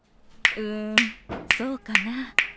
うんそうかな？